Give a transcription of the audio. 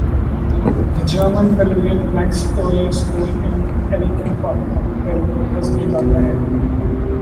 The German-Peruvian Max Uhle School in Arequipa, Peru was named after him.